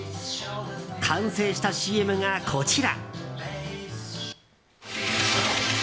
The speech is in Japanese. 完成したＣＭがこちら。